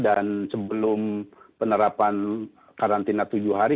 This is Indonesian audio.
dan sebelum penerapan karantina tujuh hari